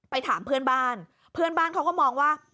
ถามเพื่อนบ้านเพื่อนบ้านเขาก็มองว่า